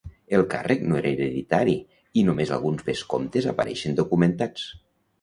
El càrrec no era hereditari i només alguns vescomtes apareixen documentats.